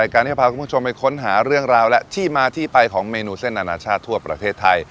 การที่จะพาคุณผู้ชมไปค้นหาเรื่องราวและที่มาที่ไปของเมนูเส้นอนาชาติทั่วประเทศไทย